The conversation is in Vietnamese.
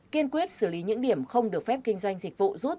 kiên quyết xử lý những điểm không được phép kinh doanh dịch vụ rút